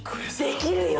できるよ？